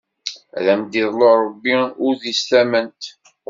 Ad am iḍlu Ṛebbi udi d tamment!